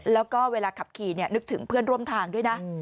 แล้วก็เวลาขับขี่นึกถึงเพื่อนร่วมทางด้วยนะ